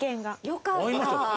良かった。